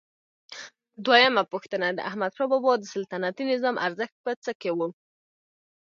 دویمه پوښتنه: د احمدشاه بابا د سلطنتي نظام ارزښت په څه کې و؟